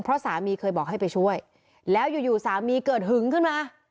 เพราะสามีเคยบอกให้ไปช่วยแล้วอยู่อยู่สามีเกิดหึงขึ้นมา